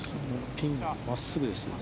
ピンまっすぐですよね。